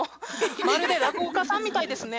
まるで落語家さんみたいですね。